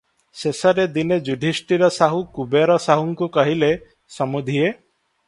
ଶେଷରେ ଦିନେ ଯୁଧିଷ୍ଠିର ସାହୁ କୁବେର ସାହୁଙ୍କୁ କହିଲେ, "ସମୁଧିଏ!